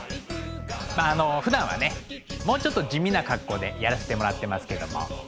まああのふだんはねもうちょっと地味な格好でやらしてもらってますけれども。